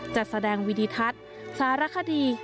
จัดแสดงวิดิทัศน์สารคดี